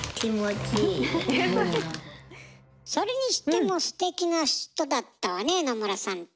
それにしてもすてきな人だったわね野村さんって。